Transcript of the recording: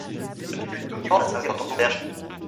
Au début, le bâtiment a servi en tant qu'auberge.